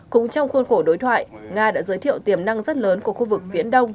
cũng trong khuôn khổ đối thoại nga đã giới thiệu tiềm năng rất lớn của khu vực viễn đông